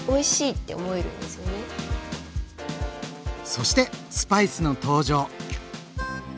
そしてスパイスの登場。